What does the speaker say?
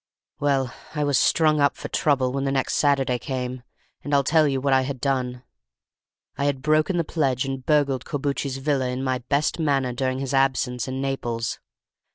"Well, I was strung up for trouble when the next Saturday came, and I'll tell you what I had done. I had broken the pledge and burgled Corbucci's villa in my best manner during his absence in Naples.